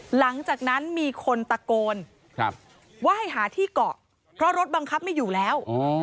หลังจากนั้นมีคนตะโกนว่าให้หาที่เกาะเพราะรถบังคับไม่อยู่แล้ว